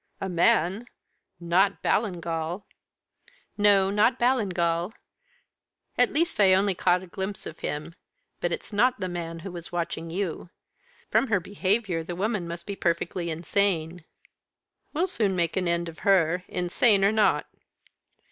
"A man! Not Ballingall?" "No, not Ballingall. At least, I only caught a glimpse of him but it's not the man who was watching you. From her behaviour the woman must be perfectly insane." "We'll soon make an end of her, insane or not."